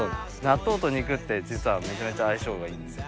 納豆と肉って実はめちゃめちゃ相性がいいんです。